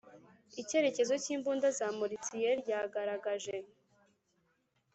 icyerekezo cy'imbunda za moritsiye ryagaragaje .